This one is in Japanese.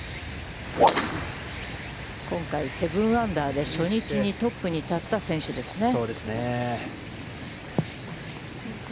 今回、７アンダーで初日にトップに立った選手ですね。